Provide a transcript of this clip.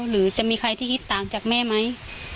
หรือจะมีใครที่คิดต่างจากแม่ไหม